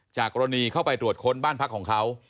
กรณีเข้าไปตรวจค้นบ้านพักของเขา